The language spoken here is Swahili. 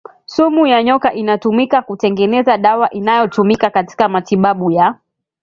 sumu ya nyoka inatumika kutengeneza dawa inayotumika katika matibabu ya